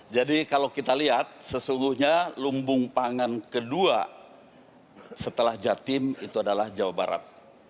jadi kalau kita lihat sesungguhnya lumbung pangan kedua setelah jatim itu adalah jawa barat